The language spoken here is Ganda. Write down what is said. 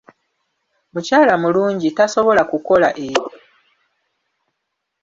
Mukyala mulungi tasobola kukola ekyo.